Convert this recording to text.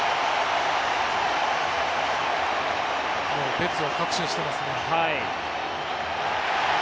ベッツは確信してますね。